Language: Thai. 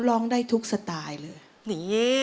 น้องได้ทุกสไตล์เลย